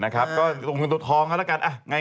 ก็ผู้พูดตัวทองกันแล้วกันง่าย